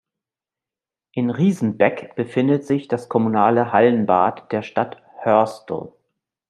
In Riesenbeck befindet sich das kommunale Hallenbad der Stadt Hörstel.